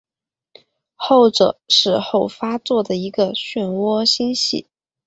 后者是后发座的一个旋涡星系。